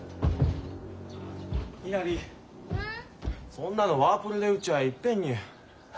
そんなのワープロで打ちゃいっぺんに。